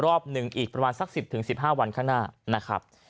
รอบนึงอีกประมาณสักสิบถึงสิบห้าวันข้างหน้านะครับ